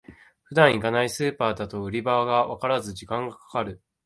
普段行かないスーパーだと売り場がわからず時間がかかる